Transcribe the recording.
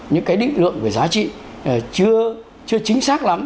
những cái định lượng về giá trị chưa chính xác lắm